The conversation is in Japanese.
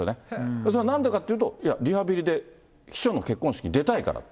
それはなんでかっていうと、いや、リハビリで、秘書の結婚式に出たいからって。